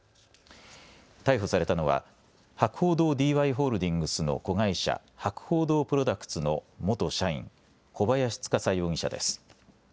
逮捕されたのは博報堂ＤＹホールディングスの子会社、博報堂プロダクツの元社員、小林司容疑者です。